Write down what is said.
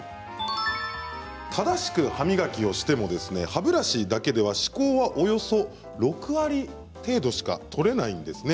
正しく歯磨きをしても歯ブラシだけでは歯こうは、およそ６割程度しか取れないんですね。